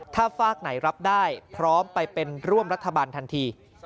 ถ้าฝากไหนรับได้พร้อมไปเป็นร่วมรัฐบาลทันที